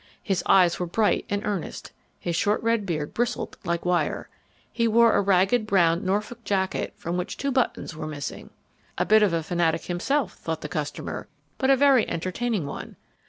His eyes were bright and earnest, his short red beard bristled like wire. He wore a ragged brown Norfolk jacket from which two buttons were missing. A bit of a fanatic himself, thought the customer, but a very entertaining one.